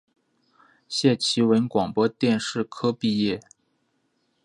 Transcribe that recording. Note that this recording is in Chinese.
谢其文广播电视科毕业。